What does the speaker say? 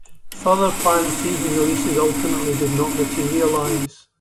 Further planned season releases ultimately did not materialize.